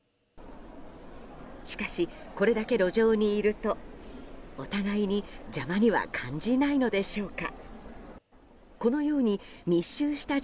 しかし、これだけ路上にいるとお互いに邪魔には感じないのでしょうか。